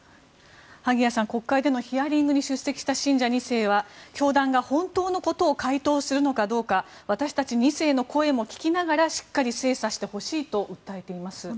萩谷さん、国会でのヒアリングに出席した信者２世は教団が本当のことを回答するのかどうか私たち２世の声も聞きながらしっかり精査してほしいと訴えています。